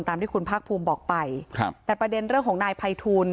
ตามที่คุณพพบอกไปแต่ประเด็นเรื่องของนายไพทูล